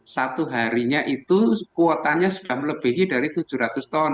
seharinya itu kuotanya sudah melebihi dari tujuh ratus ton